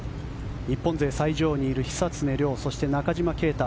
日本勢最上位にいる久常涼そして中島啓太